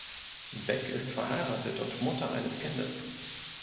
Beck ist verheiratet und Mutter eines Kindes.